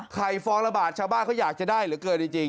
ฟองละบาทชาวบ้านเขาอยากจะได้เหลือเกินจริง